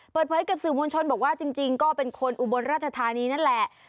เปิดเผยกับสื่อมวลชนบอกว่าจริงก็เป็นคนอุบลราชธานีนั่นแหละ